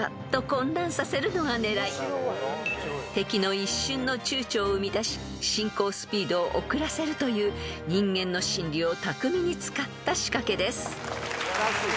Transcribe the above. ［敵の一瞬のちゅうちょを生み出し侵攻スピードを遅らせるという人間の心理をたくみに使った仕掛けです］